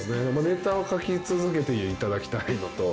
ネタは書き続けていただきたいのと。